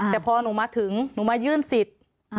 แต่พอหนูมาถึงหนูมายื่นสิทธิ์